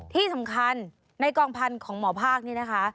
ที่สำคัญในกองพันธุ์ของหมอภาคนี้นะคะ